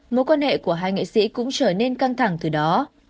mối quan hệ của hai nghệ sĩ cũng trở nên căng thẳng từ đó